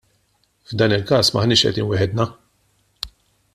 F'dan il-każ m'aħniex qegħdin waħedna.